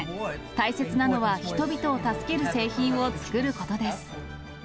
大切なのは人々を助ける製品を作ることです。